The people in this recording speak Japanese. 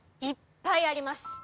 いっぱいあります。